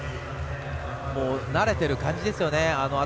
慣れてる感じですよね。